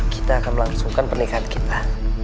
kita akan melangsungkan pernikahan kita